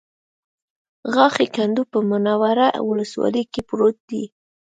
غاښی کنډو په منوره ولسوالۍ کې پروت دی